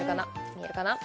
見えるかな？